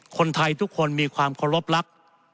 คนไทยทุกคนมีความขอรบรับ